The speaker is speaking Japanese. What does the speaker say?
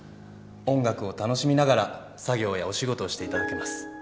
音楽を楽しみながら作業やお仕事をしていただけます。